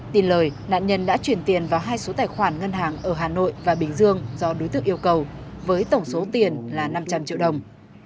tin lời nạn nhân đã chuyển tiền vào hai số tài khoản ngân hàng ở hà nội và bình dương do đối tượng yêu cầu với tổng số tiền là năm trăm linh triệu đồng